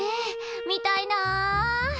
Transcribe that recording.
見たいな。